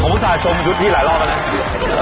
ขอบคุณสาธารณ์ชมยุทธ์ที่หลายรอบแล้วนะ